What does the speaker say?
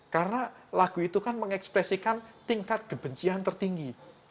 karena lagu itu kan mengekspresikan tingkat kebencian tertinggi